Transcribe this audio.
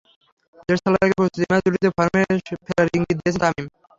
দেশ ছাড়ার আগে প্রস্তুতি ম্যাচ দুটিতে ফর্মে ফেরার ইঙ্গিত দিয়েছিলেন তামিম।